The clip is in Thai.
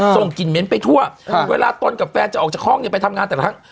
ส่งกลิ่นเหม็นไปทั่วเวลาตนกับแฟนจะออกจากห้องเนี่ยไปทำงานแต่ละครั้ง